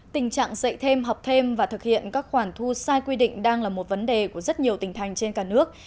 tình trạng dạy thêm học thêm và thực hiện các khoản thu sai quy định đang là một vấn đề của rất nhiều tỉnh thành trên cả nước